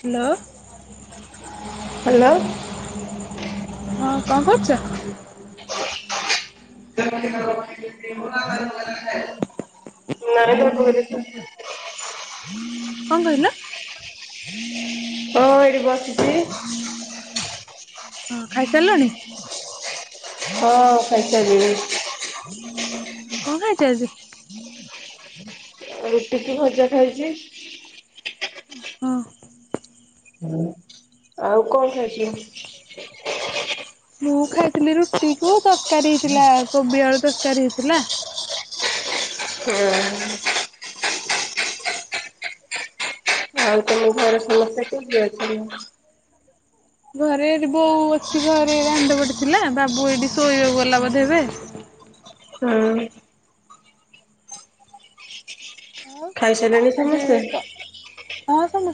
Hello. Hello. ହଁ କଣ କରୁଛ? [inaudible] କଣ କହିଲ ତ ଏଠି ବସିଚି। ହଁ ଖାଇସାରିଲଣି? [inaudible] ହଁ ଖାଇସାଇଲିଣି। ହ କଣ ଖାଇଛ ଆଜି? ଆଉ ରୁଟି କି ଭଜା ଖାଇଛି। ହଁ ହଁ ଆଉ କଣ ଖାଇଚି ମୁଁ ଖାଇଥିଲି ରୁଟି କୁ ତରକାରୀ ହେଇଥିଲା କୋବି ଆଳୁ ତରକାରୀ ହେଇଥିଲା। ହୁଁ। ଆଉ ତମ ଘର ସମସ୍ତେ କେମିତି ଅଛନ୍ତି? ଘରେ ଏଠି ବୋଉ ଅଛି ଘରେ ଦାଣ୍ଡ ପଟେ ଥିଲା ବାବୁ ଏଇଠି ଶୋଇବାକୁ ଗଲା ବଧେ ଏବେ। ହୁଁ। ଆଉ ଖାଇସରିଲେଣୀ ସମେସ୍ତେ?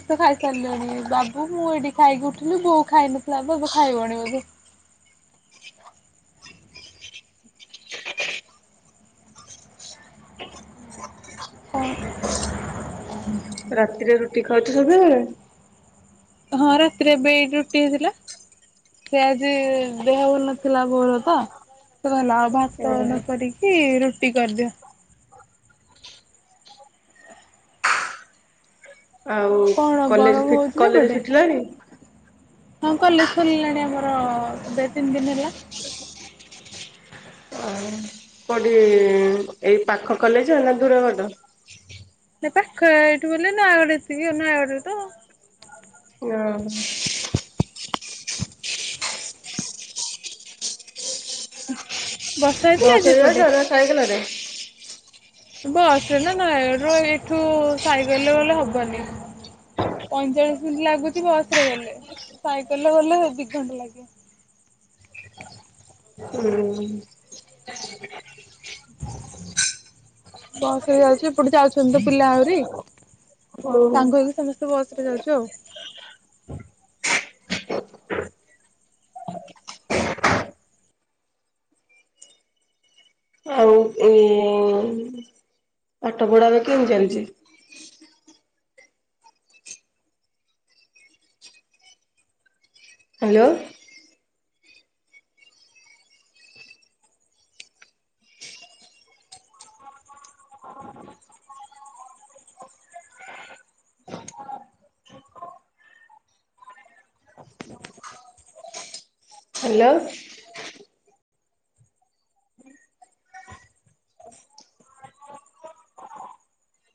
ତ ଖାଇସାରିଲଣି ବାବୁ ମୁଁ ଏଇଠି ଖାଇକି ଉଠିଲି ବୋଉ ଖାଇ ନଥିଲା ଏବେ ଖାଇବଣି ବୋଧେ। ରାତିରେ ରୁଟି ଖାଉଛୁ ସବୁବେଳେ? ହଁ ରାତିରେ ଏବେ ରୁଟି ହେଇଥିଲା ସେ ଆଜି ଦେହ ଭଲ ନଥିଲା ବୋର ତ ସେ କହିଲ ଆଉ ଭାତ ନ କରିକି ରୁଟି କରିଦିଅ। କଣ ଗରମ କଲେଜ୍ ହଉଛି କଲେଜ୍ ସେପଟେ? ଫିଟିଲାଣି? ହଁ କଲେଜ୍ ଖଲିଲାଣି ଆମର ଦୁ ତିନି ଦିନ ହେଲା। କୋଉଠି ଏଇ ପାଖ କଲେଜ୍ ନା ଦୁରବାଟ? ନା ପାଖ ଏଇଠି ବ ନୟାଗଡ ଏତିକି ନୟାଗଡରେ ତ ହଁ। [inaudible] ବସ୍ ଆଜି ରେ ଏପଟେ। ଯାଉଚ ନା ସାଇକଲ୍ ରେ? ବସ ରେ ନୟାଗଡ଼ ରୁ ଏଠୁ ସାଇକେଲରେ ଗଲେ ହବନି ପଇଁଚାଳିଶ ମିନିଟ ଲାଗୁଛି ବସ ରେ ଗଲେ ସାଇକେଲରେ ଗଲେ ଦି ଘଣ୍ଟା ଲାଗେ। ହୁଁ। ବସ ରେ ଯାଉଛି ଏପଟେ ଯାଉଛନ୍ତି ତ ପିଲା ଆହୁରି ହଉ ସାଙ୍ଗ ହେଇକି ସମସ୍ତେ ବସ ରେ ଯାଉଛୁ ଆଉ। ଆଉ ଇ ପାଠ ପଢା ବା କେମିତି ଚାଲିଛି। ହାଲୋ। ହାଲୋ।